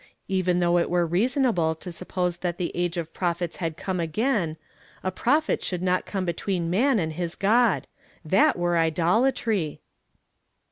Eveji though it were rea sonable to suppose that the age of prophets had come again, a prophet should not come between man and liis God. That were idolatry